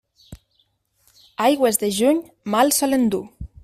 Aigües de juny mal solen dur.